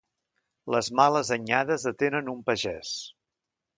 Les males anyades atenen un pagès.